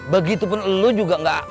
begitu pun elu juga gak